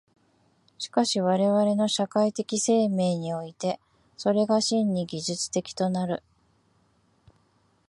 しかし我々の社会的生命において、それが真に技術的となる。